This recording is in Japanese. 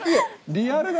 リアルだ。